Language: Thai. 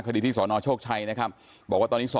คดีที่สนโชคชัยนะครับ